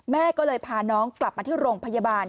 แม่ก็เลยพาน้องกลับมาที่โรงพยาบาล